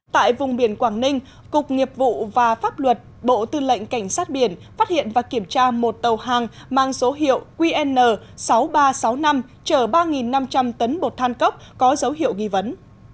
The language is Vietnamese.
tại vùng biển quảng ninh cục nghiệp vụ và pháp luật bộ tư lệnh cảnh sát biển phát hiện và kiểm tra một tàu hàng mang số hiệu qn sáu nghìn ba trăm sáu mươi năm chở ba năm trăm linh tấn bột than cốc có dấu hiệu nghi vấn